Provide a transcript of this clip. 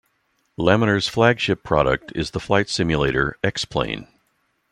Laminar's flagship product is the flight simulator "X-Plane".